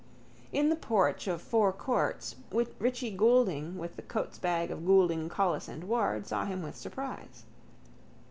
In the porch of Four Courts Richie Goulding with the costbag of Goulding, Collis and Ward saw him with surprise.